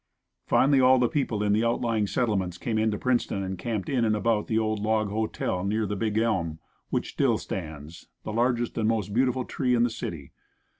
Finally all the people in the outlying settlements came into Princeton and camped in and about the old log hotel near the big elm (which still stands, the largest and most beautiful tree in the city).